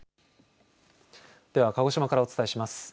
では鹿児島からお伝えします。